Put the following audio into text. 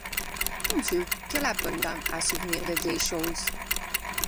Mon Dieu ! que la bonne dame a souvenir de vieilles choses !